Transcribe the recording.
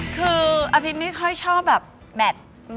คืออภิมิตค่อยชอบแบบ